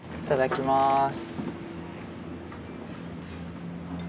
いただきます。